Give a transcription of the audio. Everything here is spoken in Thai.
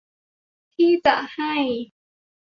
ที่จะให้